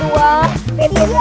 satu dua tiga